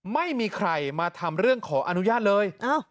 ไม่มีใครมาทำเรื่องขออนุญาตเลย